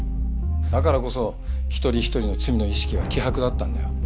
だからこそ一人一人の罪の意識は希薄だったんだよ。